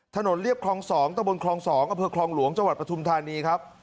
ถนนเรียบคลอง๒ต้องบนคลอง๒อคลองหลวงจประทุมฐานีครับ